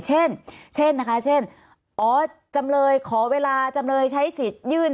เช่นจำเลยขอเวลาจำเลยใช้สิทธิ์ยื่น